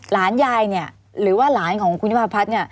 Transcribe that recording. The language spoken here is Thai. หลานยายหรือหลานของคุณนิวพระพัฒน์